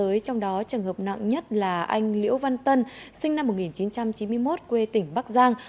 với trong đó trường hợp nặng nhất là anh liễu văn tân sinh năm một nghìn chín trăm chín mươi một quê tỉnh bắc giang